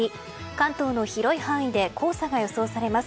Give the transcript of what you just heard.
関東の広い範囲で黄砂が予想されます。